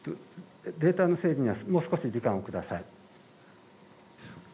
データの整理にはもう少し時間をください。